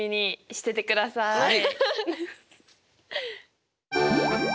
はい。